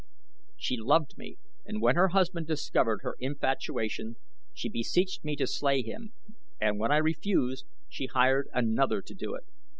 She loved me and when her husband discovered her infatuation she beseeched me to slay him, and when I refused she hired another to do it.